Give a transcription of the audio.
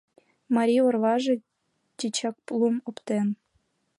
Марий орваже тичак лум оптен.